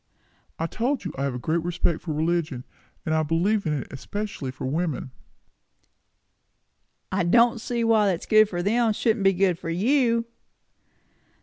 "I told you, I have a great respect for religion; and I believe in it especially for women." "I don't see why what's good for them shouldn't be good for you."